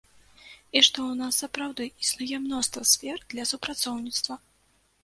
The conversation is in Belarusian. І што ў нас сапраўды існуе мноства сфер для супрацоўніцтва.